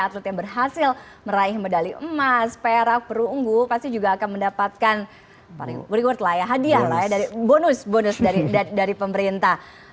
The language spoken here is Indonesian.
atlet yang berhasil meraih medali emas perak perunggu pasti juga akan mendapatkan reward lah ya hadiah lah ya dari bonus bonus dari pemerintah